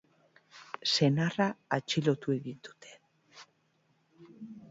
Senarra atxilotu egin dute.